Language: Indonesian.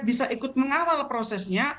bisa ikut mengawal prosesnya